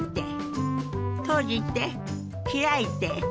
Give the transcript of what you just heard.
閉じて開いて。